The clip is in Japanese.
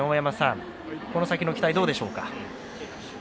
この先の期待はどうでしょうか。